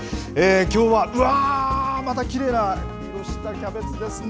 きょうは、うわー、またきれいな色したキャベツですね。